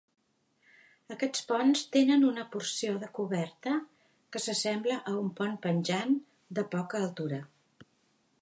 Aquests ponts tenen una porció de coberta que s'assembla a un pont penjant de poca altura.